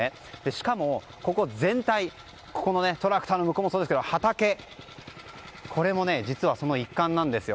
しかも、ここ全体トラクターの向こうもそうなんですがこれも、実はその一環なんですよ。